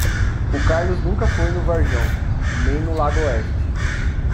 O Carlos nunca foi no Varjão, nem no Lago Oeste.